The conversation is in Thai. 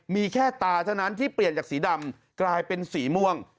มีแค่ตาเท่านั้นที่เปลี่ยนจากสีดำกลายเป็นสีม่วง